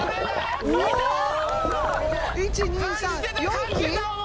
１・２・３４匹？